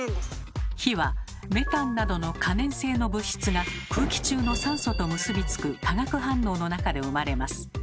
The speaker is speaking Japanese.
火はメタンなどの可燃性の物質が空気中の酸素と結びつく化学反応の中で生まれます。